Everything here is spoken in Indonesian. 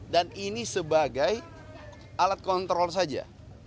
dan ini sebagai alat kontrol saja